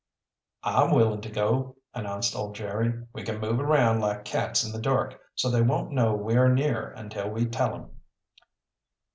"I'm willing to go," announced old Jerry. "We can move around like cats in the dark, so they won't know we are near until we tell 'em."